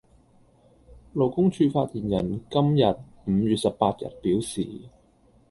勞工處發言人今日（五月十八日）表示